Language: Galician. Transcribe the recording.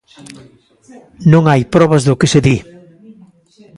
Non hai probas do que se di.